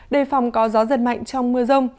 đề phòng có gió giật mạnh trong mưa rông